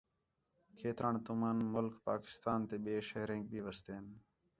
کھیتران تُمن ملک پاکستان تے ٻئے شہرینک بھی وستین